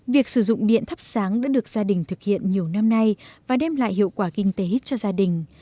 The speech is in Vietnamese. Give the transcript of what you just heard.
việc sử dụng điện thắp sáng đã được gia đình thực hiện nhiều năm nay và đem lại hiệu quả kinh tế cho gia đình